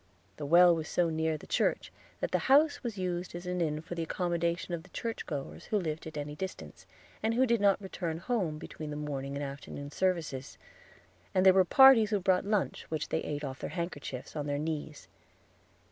The well was so near the church that the house was used as an inn for the accommodation of the church goers who lived at any distance, and who did not return home between the morning and afternoon services. A regular set took dinner with us, and there were parties who brought lunch, which they ate off their handkerchiefs, on their knees.